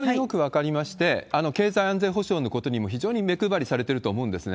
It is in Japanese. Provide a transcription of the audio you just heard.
高市さんね、非常によく分かりまして、経済安全保障のことにも非常に目配りされてると思うんですね。